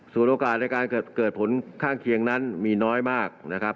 ส่วนโอกาสในการเกิดผลข้างเคียงนั้นมีน้อยมากนะครับ